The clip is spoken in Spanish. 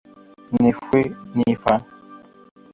Ni fu ni fa